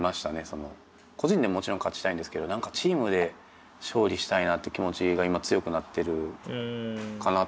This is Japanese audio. その個人でもちろん勝ちたいんですけど何かチームで勝利したいなって気持ちが今強くなってるかなと僕は思います。